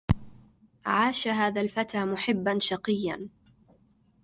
عاش هذا الفتى محبا شقيا